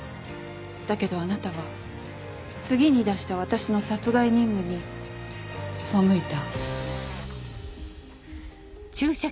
だけどあなたは次に出した私の殺害任務に背いた。